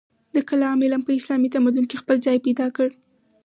د کلام علم په اسلامي تمدن کې خپل ځای پیدا کړ.